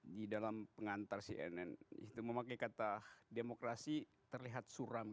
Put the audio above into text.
di dalam pengantar cnn itu memakai kata demokrasi terlihat suram